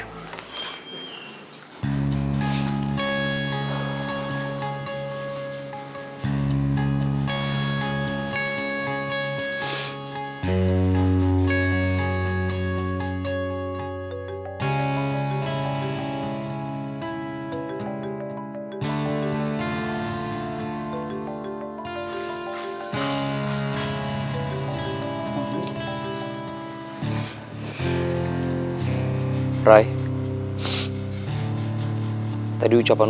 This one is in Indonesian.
gak ada tantangan